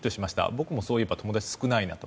僕もそういえば友達が少ないなと。